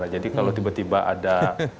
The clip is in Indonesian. jadi kalau tiba tiba ada